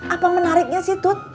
apa menariknya sih tut